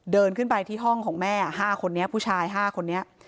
เดินขึ้นไปที่ห้องของแม่๕คนนี้ผู้ชาย๕คนนี้